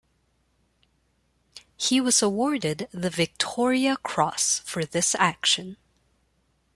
He was awarded the Victoria Cross for this action.